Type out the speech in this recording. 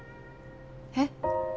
えっ？